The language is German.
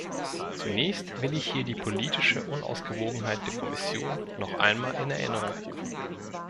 Zunächst will ich hier die politische Unausgewogenheit der Kommission noch einmal in Erinnerung rufen.